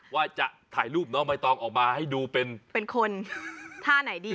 ว่าจะถ่ายรูปน้องใบตองออกมาให้ดูเป็นคนท่าไหนดี